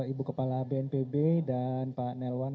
ibu kepala bnpb dan pak nelwan